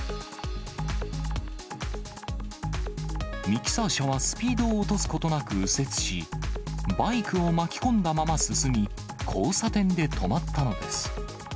ミキサー車はスピードを落とすことなく右折し、バイクを巻き込んだまま進み、交差点で止まったのです。